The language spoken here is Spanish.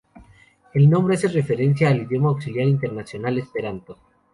El nombre hace referencia al idioma auxiliar internacional esperanto.